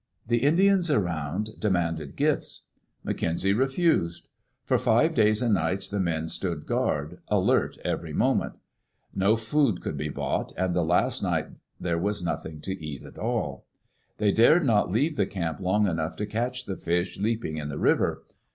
The Indians around demanded gifts. McKenzie re fused. For five days and nights the men stood guard, alert every moment. No food could be bou^t, and the last night there was nothing to eat at all. They dared not leave the camp long enough to catch the fish leaping in the river.